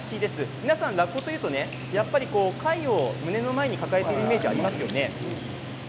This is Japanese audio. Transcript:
皆さん、ラッコというと貝を胸の前に抱えてているイメージがありますね。